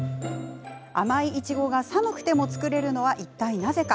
甘いイチゴが寒くても作れるのはいったい、なぜか。